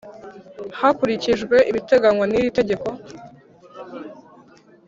Hakurikijwe ibiteganywa n’iri tegeko